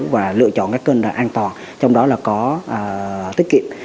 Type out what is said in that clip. và lựa chọn các kênh an toàn trong đó là có tiết kiệm